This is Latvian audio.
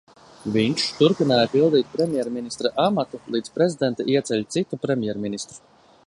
Viņš turpināja pildīt premjerministra amatu, līdz prezidente ieceļ citu premjerministru.